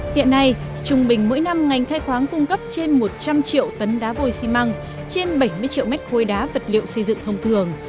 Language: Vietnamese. hiện nay trung bình mỗi năm ngành khai khoáng cung cấp trên một trăm linh triệu tấn đá vôi xi măng trên bảy mươi triệu mét khối đá vật liệu xây dựng thông thường